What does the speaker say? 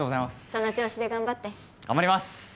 その調子で頑張って頑張ります！